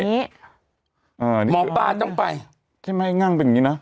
ไอ้ง่างเป็นอย่างนี้นะ